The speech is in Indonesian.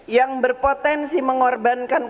yang berpotensi mengorbanasi rakyat indonesia